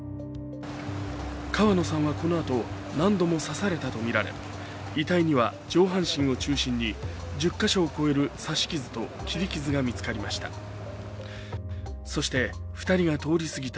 川野さんはこのあと、何度も刺されたと見られ遺体には上半身を中心に１０カ所を超える刺し傷と切り傷が見つかりました。